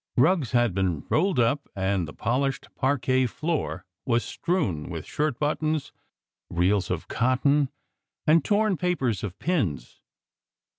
Rugs had been rolled up, and the polished parquet floor was strewn with shirt buttons, reels of cotton, and torn papers of pins.